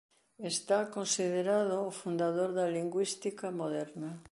Está considerado o fundador da lingüística moderna.